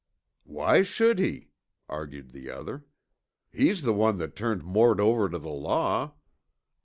"Why should he?" argued the other. "He's the one that turned Mort over to the law."